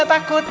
aduh pak ustadz